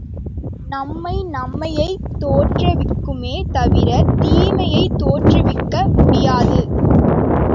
நன்மை நன்மையைத் தோற்றவிக்குமே தவிர தீமையைத் தோற்றுவிக்க முடியாது.